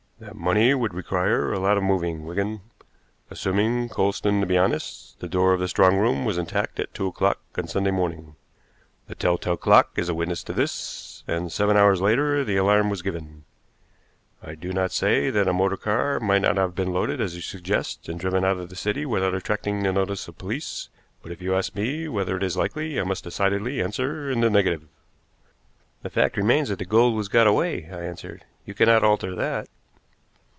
That money would require a lot of moving, Wigan. Assuming Coulsdon to be honest, the door of the strong room was intact at two o'clock on Sunday morning. The tell tale clock is a witness to this, and seven hours later the alarm was given. I do not say that a motor car might not have been loaded as you suggest and driven out of the city without attracting the notice of the police, but if you ask me whether it is likely I must decidedly answer in the negative." "The fact remains that the gold was got away," I answered. "You cannot alter that."